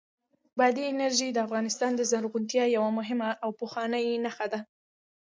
بادي انرژي د افغانستان د زرغونتیا یوه مهمه او پخوانۍ نښه ده.